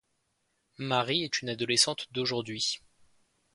Marie est une adolescente d'aujourd'hui.